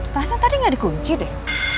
tentang tadi gak dikunci deh